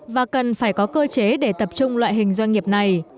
và cần phải có cơ chế để tập trung loại hình doanh nghiệp này